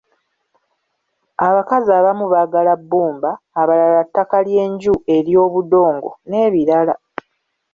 Abakazi abamu baagala bbumba, abalala ttaka ly’enju ery’obudongo n’ebirala.